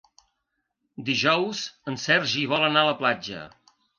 Dijous en Sergi vol anar a la platja.